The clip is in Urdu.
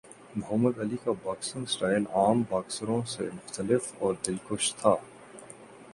محمد علی کا باکسنگ سٹائل عام باکسروں سے مختلف اور دلکش تھا